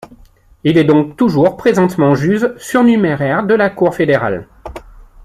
Il est donc toujours présentement juge surnuméraire de la Cour fédérale.